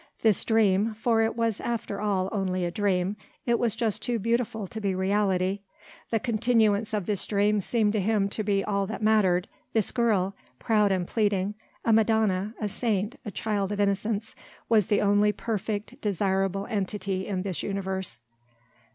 This dream for it was after all only a dream, it was just too beautiful to be reality the continuance of this dream seemed to him to be all that mattered, this girl proud and pleading a Madonna, a saint, a child of innocence, was the only perfect, desirable entity in this universe.